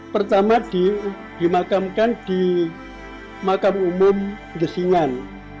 pertama dimakamkan di makam umum gesingan